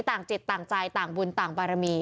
ต่างจิตต่างใจต่างบุญต่างบารมี